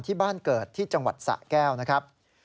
ที่บ้านเกิดที่สรรค์ศาเเกลนะครับ